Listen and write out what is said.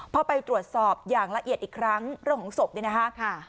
พอไปตรวจสอบอย่างละเอียดอีกครั้งเรื่องของศพเนี่ยนะคะ